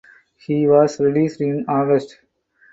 He was released in August.